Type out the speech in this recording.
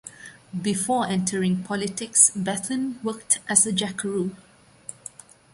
Before entering politics, Bethune worked as a jackaroo.